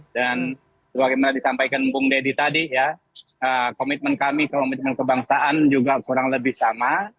dan seperti yang disampaikan bung deddy tadi ya komitmen kami ke komitmen kebangsaan juga kurang lebih sama